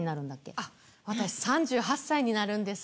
あっ私３８歳になるんです。